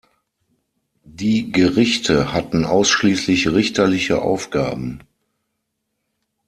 Die Gerichte hatten ausschließlich richterliche Aufgaben.